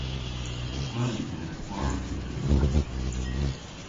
Gwell yw genev gwari gorthugherweyth.